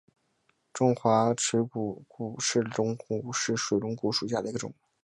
中华水龙骨为水龙骨科水龙骨属下的一个种。